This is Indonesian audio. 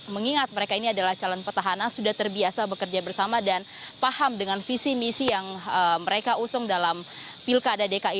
mengingat mereka ini adalah calon petahana sudah terbiasa bekerja bersama dan paham dengan visi misi yang mereka usung dalam pilkada dki